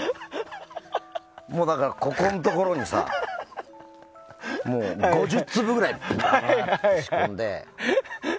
だから、ここのところにさ５０粒ぐらい仕込んで。